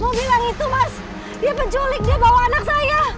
gue bilang itu mas dia penculik dia bawa anak saya